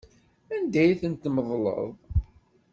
Anda i ten-tmeḍleḍ?